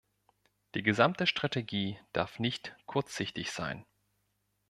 Die gesamte Strategie darf nicht kurzsichtig sein.